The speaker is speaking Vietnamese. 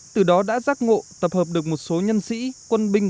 từ đó đã giác ngộ tập hợp được một số nhân sĩ quân binh